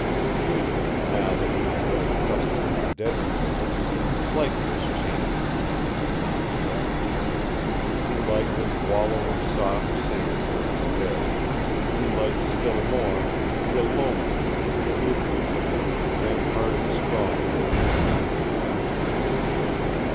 Peter, now that he had grown accustomed to the deadness of it, liked this change from Indian Tom's cabin. He liked his wallow of soft sand during the day, and he liked still more the aloneness and the aloofness of their ramparted stronghold when the cool of evening came.